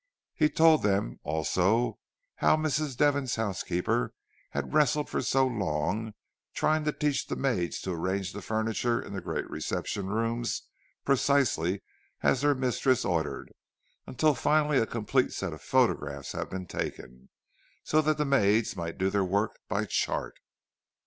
He told them, also, how Mrs. Devon's housekeeper had wrestled for so long, trying to teach the maids to arrange the furniture in the great reception rooms precisely as the mistress ordered; until finally a complete set of photographs had been taken, so that the maids might do their work by chart.